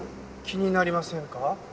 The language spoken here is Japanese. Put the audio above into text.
気になりませんか？